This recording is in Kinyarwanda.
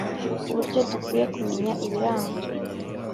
ku buryo dukwiye kumenya ibiranga